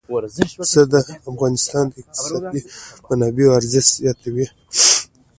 پسه د افغانستان د اقتصادي منابعو ارزښت زیاتوي.